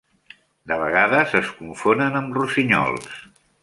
De vegades es confonen amb rossinyols.